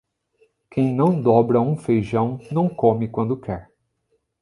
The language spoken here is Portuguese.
Quem não dobra um feijão não come quando quer.